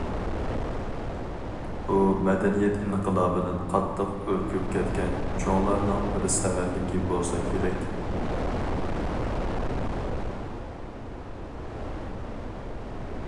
بۇ مەدەنىيەت ئىنقىلابىدىن قاتتىق ئۈركۈپ كەتكەن چوڭلارنىڭ بىر سەۋەنلىكى بولسا كېرەك.